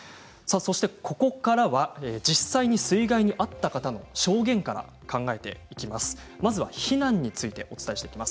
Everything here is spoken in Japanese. ここからは実際に水害に遭った方の証言から考えていきます。